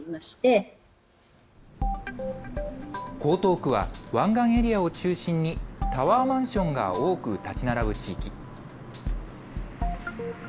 江東区は湾岸エリアを中心にタワーマンションが多く建ち並ぶ地域。